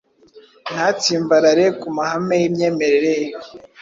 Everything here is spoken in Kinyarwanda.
ntatsimbarare ku mahame y'imyemerere ye.